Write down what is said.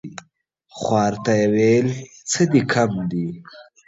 خوار ته يې ويل څه دي کم دي ؟